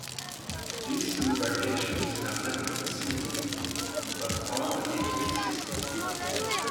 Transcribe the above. These two variations have never been seen, but are believed to exist.